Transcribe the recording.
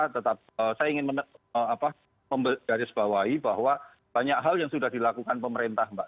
tetap saya ingin menggarisbawahi bahwa banyak hal yang sudah dilakukan pemerintah mbak